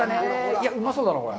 いや、うまそうだな、これ。